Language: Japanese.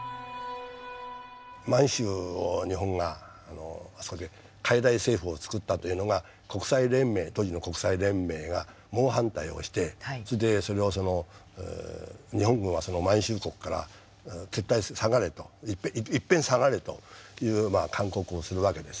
満州を日本があそこで傀儡政府をつくったというのが当時の国際連盟が猛反対をしてそれでそれを「日本軍は満州国から撤退いっぺん下がれ」という勧告をするわけですね。